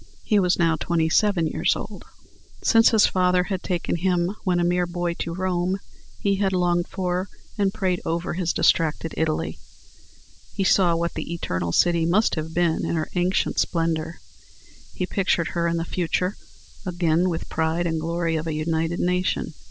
He was now twenty seven years old. Since his father had taken him when a mere boy to Rome, he had longed for and prayed over his distracted Italy. He saw what the Eternal City must have been in her ancient splendor; he pictured her in the future, again the pride and glory of a united nation.